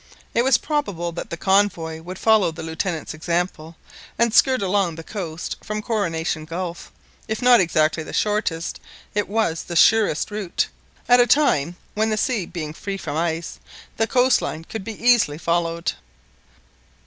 It was probable that the convoy would follow the Lieutenant's example, and skirt along the coast from Coronation Gulf. If not exactly the shortest, it was the surest route, at a time when, the sea being free from ice, the coast line could be easily followed.